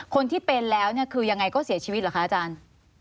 คนที่เป็นแล้วเนี่ยคือยังไงก็เสียชีวิตเหรอคะอาจารย์